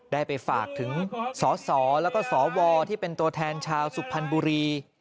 ได้ไปฝากถึงสสแล้วก็สวที่เป็นตัวแทนชาวสุพรรณบุรี